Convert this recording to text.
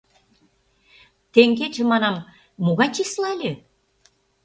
Теҥгече, — манам, — могай числа ыле?